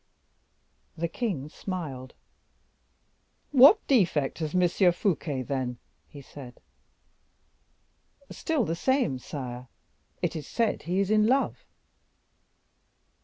The king smiled. "What defect has M. Fouquet, then?" he said. "Still the same, sire; it is said he is in love."